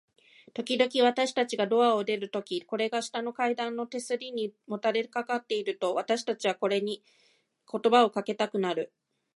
ときどき、私たちがドアから出るとき、これが下の階段の手すりにもたれかかっていると、私たちはこれに言葉をかけたくなる。